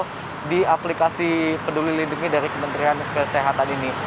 jadi ini adalah aplikasi peduli lindungi dari kementerian kesehatan ini